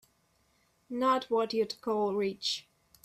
Not what you'd call rich.